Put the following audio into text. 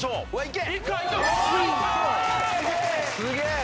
すげえ。